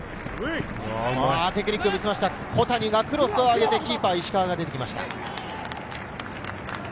テクニックを見せました小谷がクロスを上げて、キーパー・石川が出てきました。